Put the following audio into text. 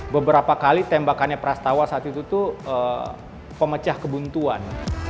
beberapa kali tembakannya prastawa saat itu tuh pemecah kebuntuan